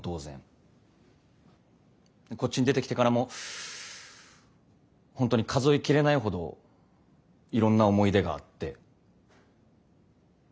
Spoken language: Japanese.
こっちに出てきてからも本当に数え切れないほどいろんな思い出があって。